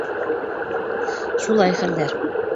Шулай хәлдәр.